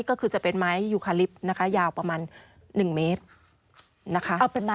ก็คือจะเป็นไม้ยูคาลิปนะคะยาวประมาณ๑เมตรนะคะ